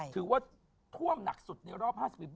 ถือว่าท่วมหนักสุดในรอบ๕๐ปี